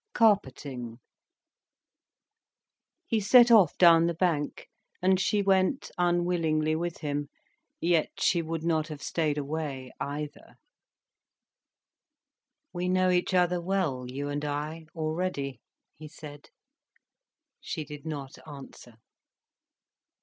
CARPETING He set off down the bank, and she went unwillingly with him. Yet she would not have stayed away, either. "We know each other well, you and I, already," he said. She did not answer.